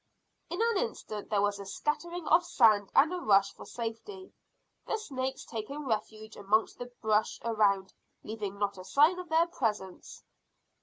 In an instant there was a scattering of sand and a rush for safety, the snakes taking refuge amongst the brush around, leaving not a sign of their presence.